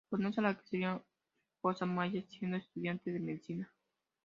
Conoce a la que sería su esposa Maya siendo estudiante de medicina.